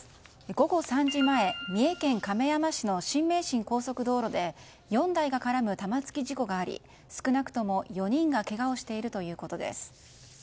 午後３時前三重県亀山市の新名神高速道路で４台が絡む玉突き事故があり少なくとも４人がけがをしているということです。